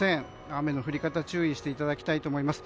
雨の降り方注意していただきたいと思います。